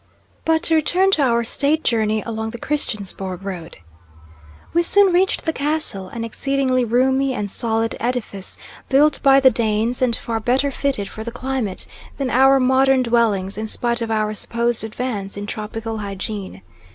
But to return to our state journey along the Christiansborg road. We soon reached the castle, an exceedingly roomy and solid edifice built by the Danes, and far better fitted for the climate than our modern dwellings, in spite of our supposed advance in tropical hygiene.